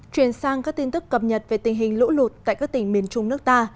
chuyển sang các tin tức cập nhật về tình hình lũ lụt tại các tỉnh miền trung nước ta